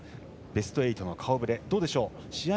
ベスト８の顔ぶれどうでしょう、試合